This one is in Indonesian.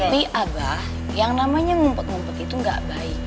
tapi abah yang namanya ngumpet ngumpet itu gak baik